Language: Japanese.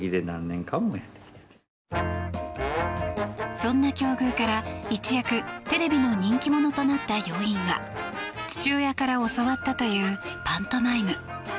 そんな境遇から一躍テレビの人気者となった要因は父親から教わったというパントマイム。